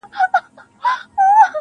• مخته چي دښمن راسي تېره نه وي.